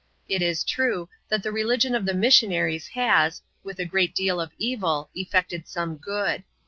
It is true, that the religion of the missionaries has, with a great deal of evil, effected some good.